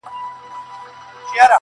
چي يې درې مياشتي د قدرت پر تخت تېرېږي،